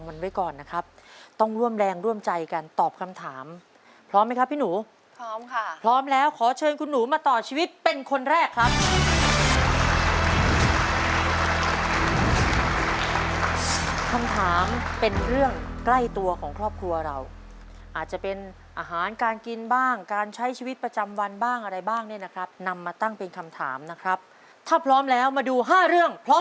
กรุงเทพธนาคารกรุงเทพธนาคารกรุงเทพธนาคารกรุงเทพธนาคารกรุงเทพธนาคารกรุงเทพธนาคารกรุงเทพธนาคารกรุงเทพธนาคารกรุงเทพธนาคารกรุงเทพธนาคารกรุงเทพธนาคารกรุงเทพธนาคารกรุงเทพธนาคารกรุงเทพธนาคารกรุงเทพธนาคารกรุงเทพธนาคารกรุงเทพธนาคาร